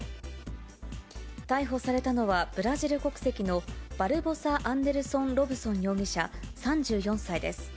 逮捕されたのは、ブラジル国籍のバルボサ・アンデルソン・ロブソン容疑者３４歳です。